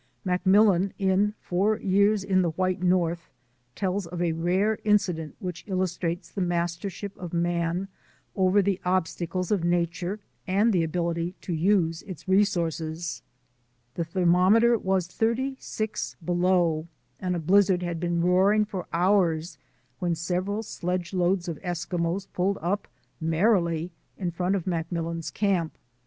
MacMillan, in "Four Years in the White North," tells of a rare incident which illustrates the mastership of man over the obstacles of nature and the ability to use its resources. The ther mometer was thirty six below, and a blizzard had been roaring for hours when several sledge loads of 243 244 THE ADVENTURES OF A NATURE GUIDE Eskimos pulled up merrily in front of MacMillan's camp.